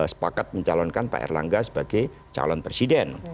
sepakat mencalonkan pak erlangga sebagai calon presiden